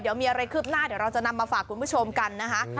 เดี๋ยวมีอะไรคืบหน้าเดี๋ยวเราจะนำมาฝากคุณผู้ชมกันนะคะ